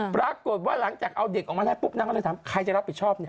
ปรากฏว่าหลังจากเอาเด็กออกมานางก็เลยถามใครจะรับผิดชอบ